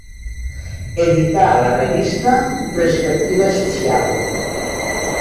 Edità la revista Perspectiva Social.